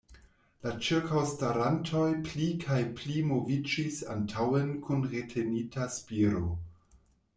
La ĉirkaŭstarantoj pli kaj pli moviĝis antaŭen kun retenita spiro.